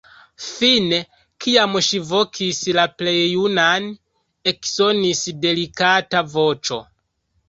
Fine, kiam ŝi vokis la plej junan, eksonis delikata voĉo.